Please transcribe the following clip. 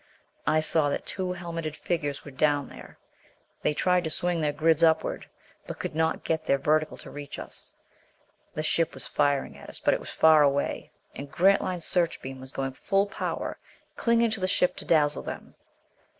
I saw that two helmeted figures were down there. They tried to swing their grids upward, but could not get them vertical to reach us. The ship was firing at us, but it was far away. And Grantline's searchbeam was going full power, clinging to the ship to dazzle them.